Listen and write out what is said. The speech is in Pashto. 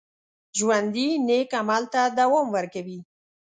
ژوندي نیک عمل ته دوام ورکوي